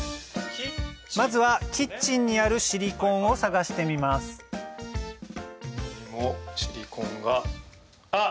まずはキッチンにあるシリコーンを探してみますシリコーンがあっ！